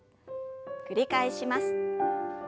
繰り返します。